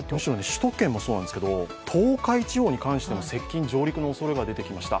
首都圏もそうですが、東海地方に関しても接近・上陸の可能性が出てきました。